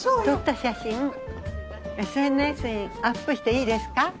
撮った写真ＳＮＳにアップしていいですか？